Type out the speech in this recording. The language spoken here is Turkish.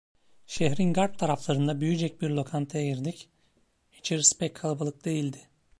Şehrin garp taraflarında büyücek bir lokantaya girdik, içerisi pek kalabalık değildi.